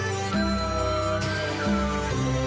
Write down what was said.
โอ้โหโอ้โหโอ้โห